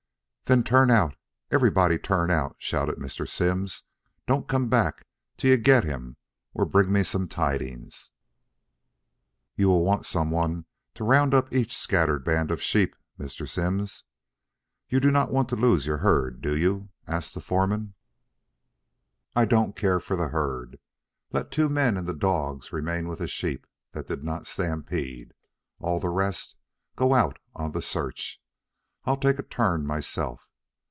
"Then turn out; everybody turn out!" shouted Mr. Simms. "Don't come back till you get him or bring me some tidings." "You will want some one to round up each scattered band of sheep, Mr. Simms. You do not want to lose your herd, do you?" asked the foreman. "I don't care for the herd. Let two men and the dogs remain with the sheep that did not stampede. All the rest go out on the search. I'll take a turn myself.